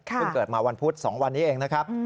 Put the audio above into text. เกิดมาวันพุธ๒วันนี้เองนะครับ